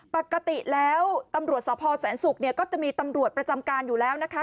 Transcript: ปกติแล้วตำรวจสพแสนศุกร์เนี่ยก็จะมีตำรวจประจำการอยู่แล้วนะคะ